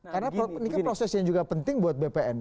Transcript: karena ini kan proses yang juga penting buat bpn